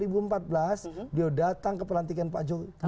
beliau datang ke pelantikan pak jokowi